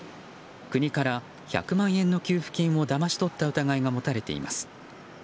国から１００万円の給付金をだまし取った疑いが持たれています。